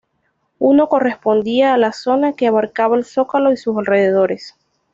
Uno correspondía a la zona que abarcaba el Zócalo y sus alrededores.